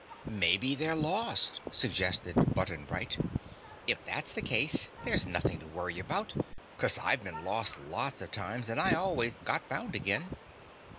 "Maybe they're lost," suggested Button Bright. "If that's the case there's nothing to worry about, 'cause I've been lost lots of times and I always got found again."